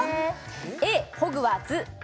ＡホグワーツＢ